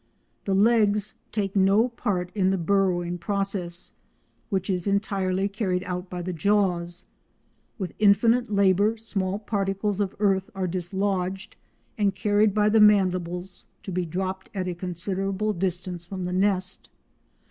The legs take no part in the burrowing process, which is entirely carried out by the jaws. With infinite labour small particles of earth are dislodged and carried by the mandibles to be dropped at a considerable distance from the nest.